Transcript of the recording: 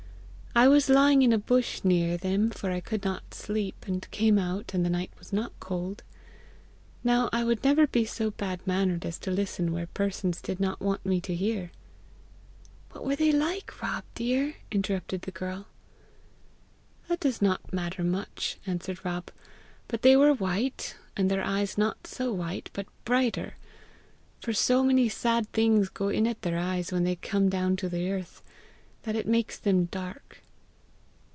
I was lying in a bush near them, for I could not sleep, and came out, and the night was not cold. Now I would never be so bad mannered as to listen where persons did not want me to hear." "What were they like, Rob, dear?" interrupted the girl. "That does not matter much," answered Rob; "but they were white, and their eyes not so white, but brighter; for so many sad things go in at their eyes when they come down to the earth, that it makes them dark."